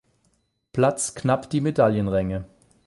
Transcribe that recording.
Platz knapp die Medaillenränge.